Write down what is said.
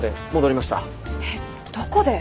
えっどこで？